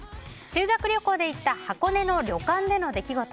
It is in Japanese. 修学旅行で行った箱根の旅館での出来事